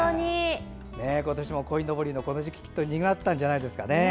今年も、こいのぼりのこの時期にぎわったんじゃないですかね。